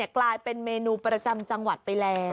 กลายเป็นเมนูประจำจังหวัดไปแล้ว